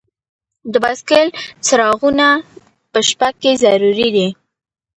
د بایسکل څراغونه په شپه کې ضروری دي.